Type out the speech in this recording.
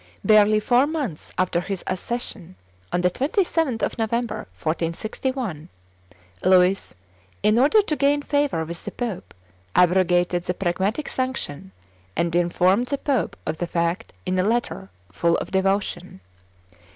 Barely four months after his accession, on the 27th of November, 1461, Louis, in order to gain favor with the pope, abrogated the Pragmatic Sanction, and informed the pope of the fact in a letter full of devotion.